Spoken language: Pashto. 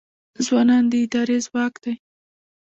ځوانان د ادارې ځواک دی